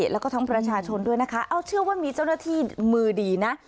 แล้วก็ทั้งประชาชนด้วยนะคะเอาเชื่อว่ามีเจ้าหน้าที่มือดีนะ